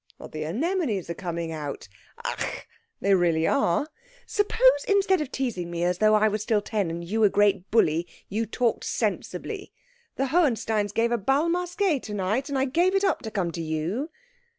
"The anemones are coming out " "Ach " "They really are." "Suppose instead of teasing me as though I were still ten and you a great bully, you talked sensibly. The Hohensteins give a bal masqué to night, and I gave it up to come to you."